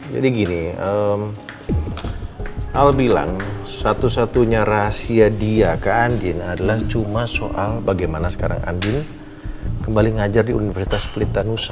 jadi gini al bilang satu satunya rahasia dia ke andin adalah cuma soal bagaimana sekarang andin kembali ngajar di universitas pelitanusa